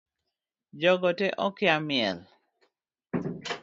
Jogote okia miel